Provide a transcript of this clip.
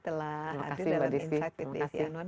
telah hadir dalam insight with desy anwan